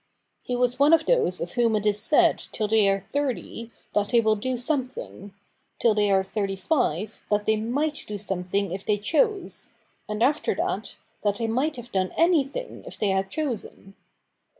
He was one of those of whom it is said till they are thirty, that they will do something ; till they are thirty five, that they might do something if they chose ; and after that, that they might have done anything if they had chosen.